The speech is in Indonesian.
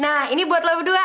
nah ini buat lo berdua nih